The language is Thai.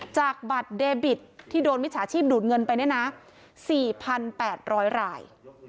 จากบัตรเดบิตที่โดนมิจฉาชีพดูดเงินไปเนี่ยนะ๔๘๐๐ราย